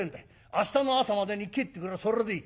明日の朝までに帰ってくりゃそれでいい」。